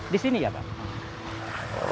di sini ya pak